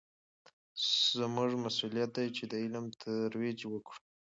زموږ مسوولیت دی چې د علم ترویج وکړو.